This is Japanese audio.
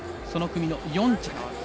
その組の４着。